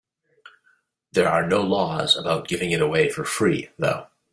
There are no laws about giving it away for free, though.